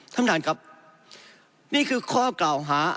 ทำทานครับนี่คือข้อกล่าวหาอันตรี